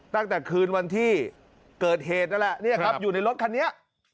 ตั้งแต่คืนวันที่เกิดเหตุนั่นแหละเนี่ยครับอยู่ในรถคันนี้